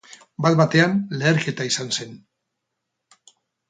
Bat-batean leherketa izan zen.